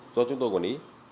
do chúng tôi quản lý